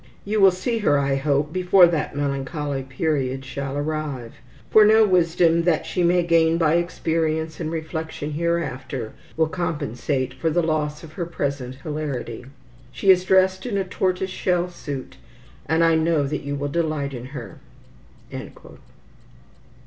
You will see her, I hope, before that melancholy period shall arrive; for no wisdom that she may gain by experience and reflection hereafter will compensate for the loss of her present hilarity. She is dressed in a tortoiseshell suit, and I know that you will delight in her."